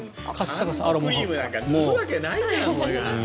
ハンドクリームなんて塗るわけないじゃん。